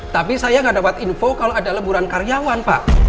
tapi saya nggak dapat info kalau ada lemburan karyawan pak